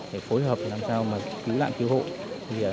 để phối hợp làm sao cứu nạn cứu hộ